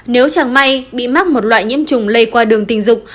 nếu chẳng may bị mắc một loại nhiễm trùng lây qua đường tình dục